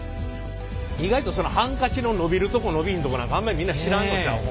意外とそのハンカチの伸びるとこ伸びんとこなんかあんまりみんな知らんのちゃう？